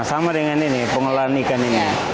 sama dengan ini pengelolaan ikan ini